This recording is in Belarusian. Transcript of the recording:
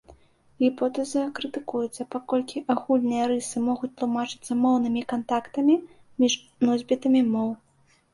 Гіпотэза крытыкуецца, паколькі агульныя рысы могуць тлумачыцца моўнымі кантактамі між носьбітамі моў.